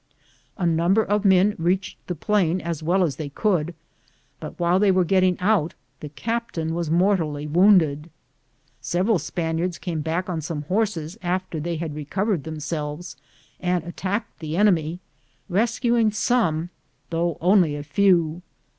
A number of men reached the plain as well as they could, but while they were getting out the captain was mortally wounded. Several Spaniards came back on some horses after they had re covered themselves and attacked the enemy, rescuing some, though only a few.